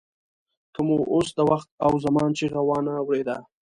که مو اوس د وخت او زمان چیغه وانه ورېده.